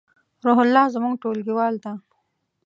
روح الله زمونږ ټولګیوال ده